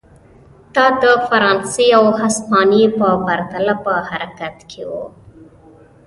دا د فرانسې او هسپانیې په پرتله په حرکت کې و.